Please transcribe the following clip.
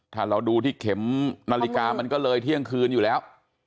ถ้าเราดูที่เข็มนาฬิกามันก็เลยเที่ยงคืนอยู่แล้ว